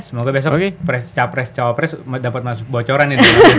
semoga besok pres capres cawapres dapat masuk bocoran